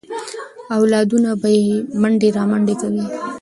اولادونه به یې منډې رامنډې کوي.